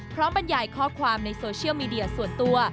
บรรยายข้อความในโซเชียลมีเดียส่วนตัว